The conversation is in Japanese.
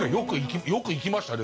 よく行きましたね